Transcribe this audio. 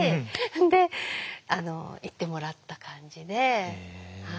で行ってもらった感じで。